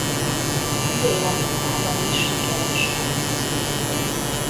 Dél-Afrikában is sikeres lett.